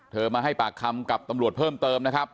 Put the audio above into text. มาให้ปากคำกับตำรวจเพิ่มเติมนะครับ